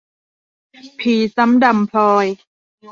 ผีซ้ำด้ำพลอย